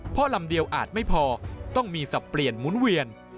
เพราะลำเดียวอาจไม่พอต้องมีสับเปลี่ยนหมุนเวียน